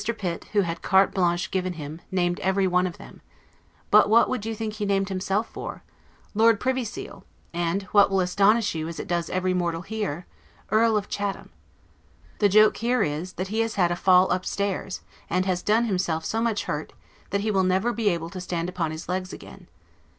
Pitt, who had carte blanche given him, named everyone of them: but what would you think he named himself for? Lord Privy Seal; and (what will astonish you, as it does every mortal here) Earl of Chatham. The joke here is, that he has had A FALL UP STAIRS, and has done himself so much hurt, that he will never be able to stand upon his leg's again.